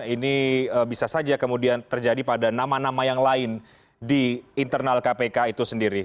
ini bisa saja kemudian terjadi pada nama nama yang lain di internal kpk itu sendiri